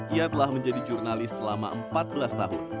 ia telah menjadi jurnalis selama empat belas tahun